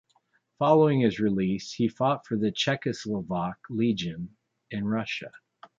Following his release, he fought for the Czechoslovak Legion in Russia.